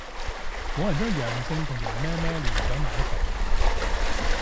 冇人將陽性同羊咩咩聯想埋一齊喎